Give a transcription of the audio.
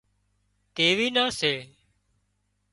ڌيوِي نان سي